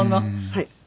はい。